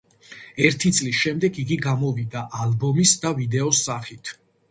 ერთი წლის შემდეგ იგი გამოვიდა ალბომის და ვიდეოს სახით.